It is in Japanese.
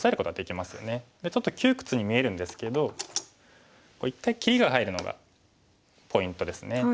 ちょっと窮屈に見えるんですけど一回切りが入るのがポイントですね。